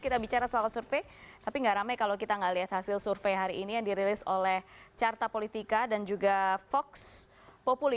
kita bicara soal survei tapi nggak rame kalau kita nggak lihat hasil survei hari ini yang dirilis oleh carta politika dan juga fox populi